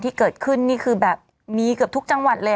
ที่เกิดขึ้นนี่คือแบบมีเกือบทุกจังหวัดเลย